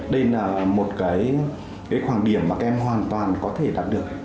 đây là một cái khoảng điểm mà các em hoàn toàn có thể đạt được